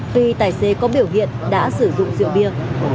tuy tài xế có biểu hiện đã sử dụng rượu bia